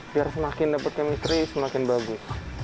biar semakin dapat chemistry semakin bagus